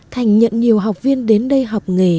thành nhận nhiều học viên đến đây học nghề